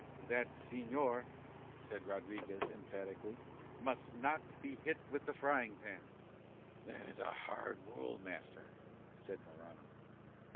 "That señor," said Rodriguez emphatically, "must not be hit with the frying pan." "That is a hard rule, master," said Morano.